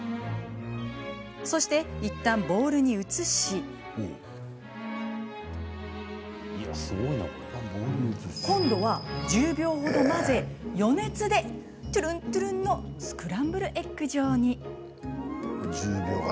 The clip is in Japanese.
そして、いったんボウルに移し今度は１０秒程混ぜ余熱で、とぅるんとぅるんのスクランブルエッグ状に。